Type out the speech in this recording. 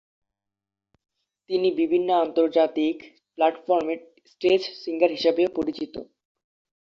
তিনি বিভিন্ন আন্তর্জাতিক প্ল্যাটফর্মে স্টেজ সিঙ্গার হিসাবেও পরিচিত।